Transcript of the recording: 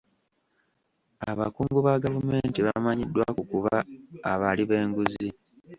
Abakungu ba gavumenti bamanyiddwa ku kuba abali b'enguzi.